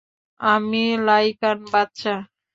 আমি লাইকান বাচ্চা।